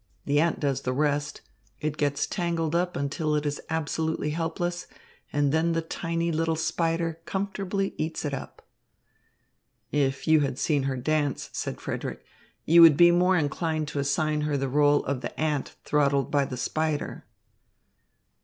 The ant does the rest. It gets tangled up until it is absolutely helpless, and then the tiny little spider comfortably eats it up." "If you had seen her dance," said Frederick, "you would be more inclined to assign her the rôle of the ant throttled by the spider."